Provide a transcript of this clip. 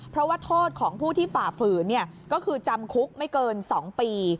เพราะว่าโทษของผู้ที่ฝ่าฝืนก็คือจำคุกไม่เกิน๒ปี